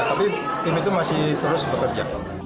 tapi tim itu masih terus bekerja